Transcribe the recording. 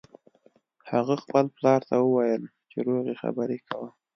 هغه خپل پلار ته وویل چې روغې خبرې کوه